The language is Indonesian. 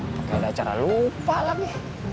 pokoknya ada acara lupa lagi